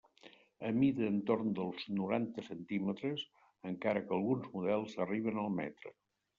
Amida entorn dels noranta centímetres encara que alguns models arriben al metre.